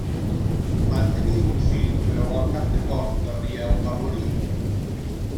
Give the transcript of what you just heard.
Van tenir un fill però al cap de poc, Gabriel va morir.